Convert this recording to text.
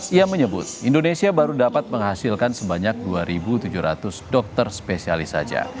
ia menyebut indonesia baru dapat menghasilkan sebanyak dua tujuh ratus dokter spesialis saja